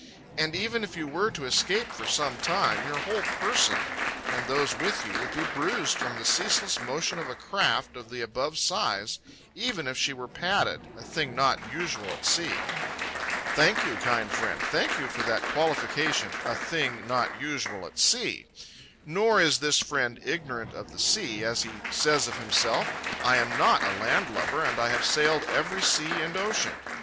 And even if you were to escape for some time, your whole Person, and those with you would be bruised from the ceaseless motion of a craft of the above size, even if she were padded, a thing not usual at sea." Thank you, kind friend, thank you for that qualification, "a thing not usual at sea." Nor is this friend ignorant of the sea. As he says of himself, "I am not a land lubber, and I have sailed every sea and ocean."